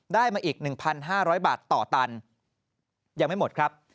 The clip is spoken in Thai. ได้มาอีก๑๕๐๐บาทต่อตันยังไม่หมดครับ